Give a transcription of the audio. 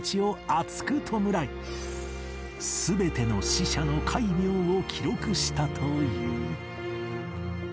全ての死者の戒名を記録したという